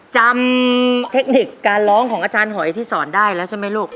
เทคนิคการร้องของอาจารย์หอยที่สอนได้แล้วใช่ไหมลูก